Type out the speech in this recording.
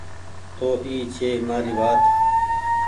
تو اي ڇي مآري وآت